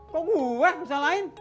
kok gue gue salahin